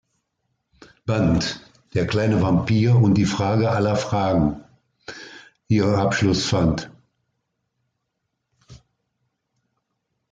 Band "Der kleine Vampir und die Frage aller Fragen" ihren Abschluss fand.